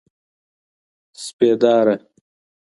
سپېداره